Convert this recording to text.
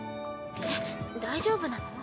えっ大丈夫なの？